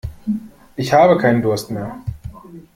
Ich habe keinen Durst mehr.